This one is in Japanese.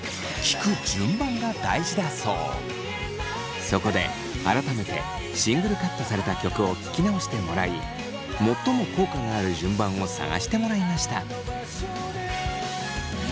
ただしそこで改めてシングルカットされた曲を聴き直してもらい最も効果がある順番を探してもらいました。